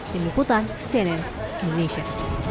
dini putan cnn indonesia